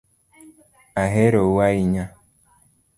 Ahero u ahinya